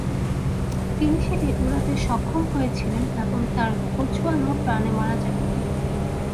তিনি সেটি উড়াতে সক্ষম হয়েছিলেন এবং তার কোচয়ানও প্রাণে মারা যায়নি।